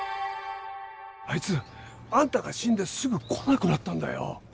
あいつあんたが死んですぐ来なくなったんだよ。